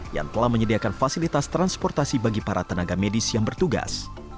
yang telah menyediakan fasilitas transportasi bagi para tenaga medis yang bertugas